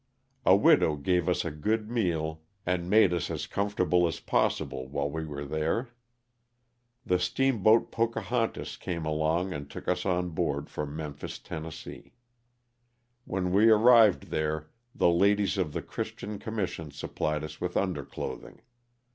A widow gave us a good meal and made us as comfort LOSS OF THE SULTANA. 61 able as possible while we were there. The steamboat *^ Pocahontas'' came along and took us on board for Memphis, Tenn. When we arrived there the ladies of the Christian commission supplied us with under clothing.